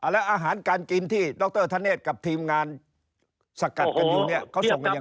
แล้วอาหารการกินที่ดรธเนธกับทีมงานสกัดกันอยู่เนี่ยเขาส่งกันอย่าง